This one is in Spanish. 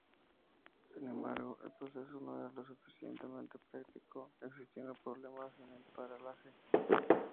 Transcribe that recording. Sin embargo, el proceso no era lo suficientemente práctico, existiendo problemas en el paralaje.